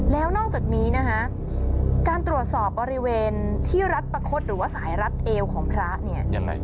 แล้วนอกจากนี้นะคะการตรวจสอบบริเวณที่รัฐประคดหรือว่าสายรัดเอวของพระเนี่ยยังไง